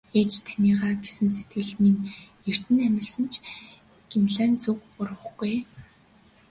Ээж таныгаа гэсэн сэтгэл минь эрдэнэ амласан ч Гималайн зүг урвахгүй ээ.